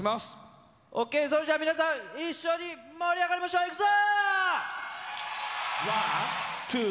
ＯＫ、それじゃ、皆さん、一緒に盛り上がりましょう、いくぞ！